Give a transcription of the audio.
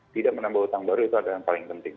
tidak menambah utang baru itu adalah yang paling penting